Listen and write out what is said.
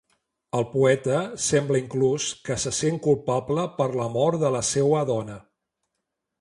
El poeta sembla inclús que se sent culpable per la mort de la seua dona.